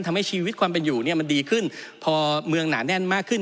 ทำให้ชีวิตความเป็นอยู่เนี่ยมันดีขึ้นพอเมืองหนาแน่นมากขึ้น